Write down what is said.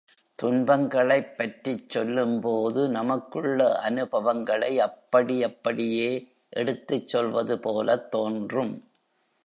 துன்பங்களைப் பற்றிச் சொல்லும்போது நமக்குள்ள அனுபவங்களை அப்படி அப்படியே எடுத்துச் சொல்வதுபோலத் தோன்றும்.